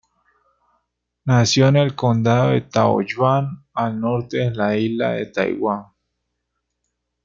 Nació en el condado de Taoyuan, al norte de la isla de Taiwán.